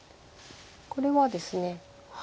これはですね